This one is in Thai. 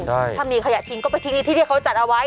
ได้ถ้ามีขยะทิ้งก็ไปพักทิ้งที่ที่เขาจัดเอาไว้